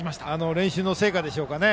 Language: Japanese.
練習の成果でしょうかね。